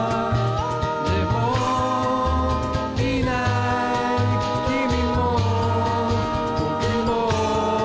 「でもいない君も僕も」